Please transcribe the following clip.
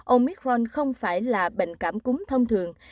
omicron không phải là bệnh cảm cúng thông thường